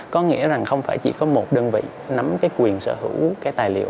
có nghĩa rằng không phải chỉ có một đơn vị nắm cái quyền sở hữu cái tài liệu